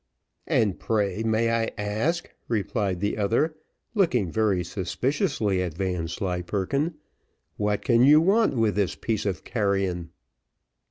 "And pray, may I ask," replied the other, looking very suspiciously at Vanslyperken, "what can you want with this piece of carrion?"